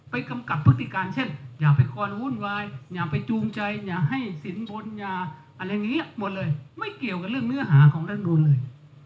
กำกับพฤติการเช่นอย่าไปความวุ่นวายอย่าไปจูงใจอย่าให้สินบนอย่าอะไรอย่างนี้หมดเลยไม่เกี่ยวกับเรื่องเนื้อหาของรัฐมนูลเลย